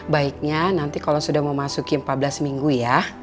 baiknya nanti kalau sudah mau masuk ke empat belas minggu ya